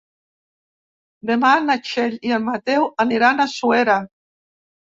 Demà na Txell i en Mateu aniran a Suera.